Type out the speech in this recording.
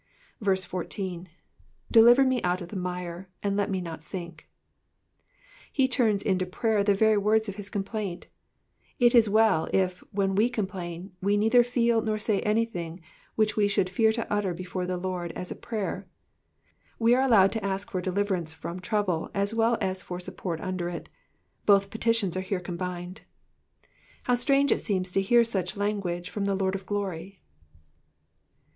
14. ^'Deliver me out of the mire, and let me not sinh'^'' He turns into prayer the very words of his complaint ; and it is well, if. when we complain, we neither feel nor say anything which we should fear to utter before the Lord as a prayer. We are allowed to ask for deliverance from trouble as well as for support under it ; both petitions are here combined. How strange it seems to hear such language from the Lord of glory.